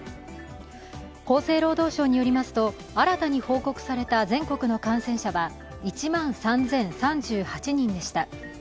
厚生労働省によりますと、新たに報告された全国の感染者は１万３０３８人でした。